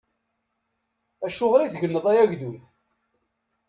Acuɣeṛ i tegneḍ ay agdud?